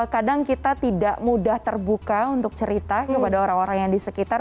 kadang kita tidak mudah terbuka untuk cerita kepada orang orang yang di sekitar